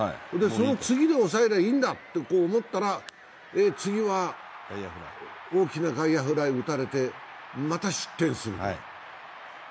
その次で抑えればいいんだと思ったら、次は、大きな外野フライを打たれてまた失点する。